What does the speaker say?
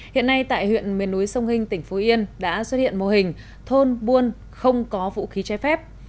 hiện nay tại huyện miền núi sông hinh tỉnh phú yên đã xuất hiện mô hình thôn buôn không có vũ khí trái phép